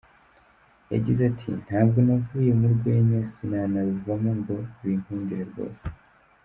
Yagize ati: “Ntabwo navuye mu rwenya, sinanaruvamo ngo binkundire rwose.